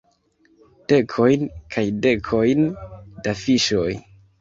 Dekojn kaj dekojn da fiŝoj.